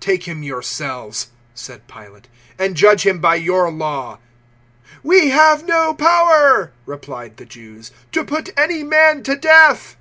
018:031 "Take him yourselves," said Pilate, "and judge him by your Law." "We have no power," replied the Jews, "to put any man to death."